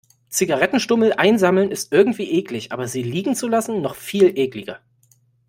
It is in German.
Zigarettenstummel einsammeln ist irgendwie eklig, aber sie liegen zu lassen, noch viel ekliger.